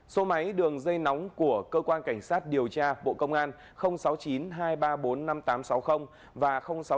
số máy đường dây nóng của cơ quan cảnh sát điều tra bộ công an sáu mươi chín hai trăm ba mươi bốn năm nghìn tám trăm sáu mươi và sáu mươi chín hai trăm ba mươi một một nghìn sáu trăm bảy